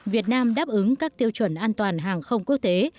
việt nam đáp ứng các tiêu chuẩn an toàn hàng không quốc tế